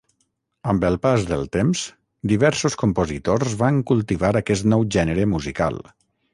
Amb el pas del temps, diversos compositors van cultivar aquest nou gènere musical.